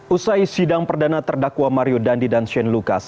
usai sidang perdana terdakwa mario dandi dan shane lucas